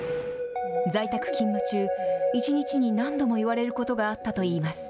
在宅勤務中、一日に何度も言われることがあったといいます。